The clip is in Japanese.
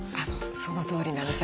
そのとおりなんです。